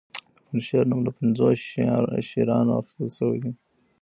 د پنجشیر نوم له پنځو شیرانو اخیستل شوی